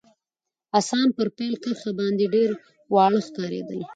اسان پر پیل کرښه باندي ډېر واړه ښکارېدل.